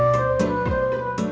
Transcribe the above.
sampai jumpa lagi